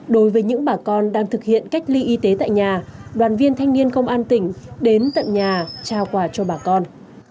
đối với những bà con đang thực hiện cách ly y tế tại nhà đoàn viên thanh niên công an tỉnh đến tận nhà trao quà cho bà con